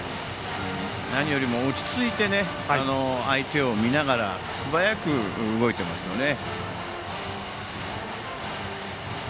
何よりも落ち着いて相手を見ながら素早く動いていますよね。